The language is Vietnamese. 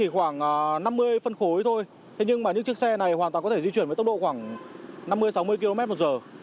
khoảng năm mươi phân khối thôi thế nhưng mà những chiếc xe này hoàn toàn có thể di chuyển với tốc độ khoảng năm mươi sáu mươi km một giờ